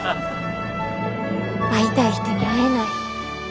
会いたい人に会えない。